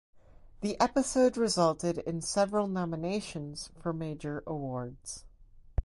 The episode resulted in several nominations for major awards.